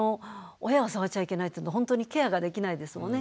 親は触っちゃいけないっていうとほんとにケアができないですもんね。